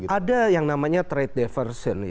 ada yang namanya trade diversion